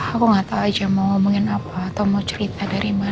aku nggak tahu aja mau ngomongin apa atau mau cerita dari mana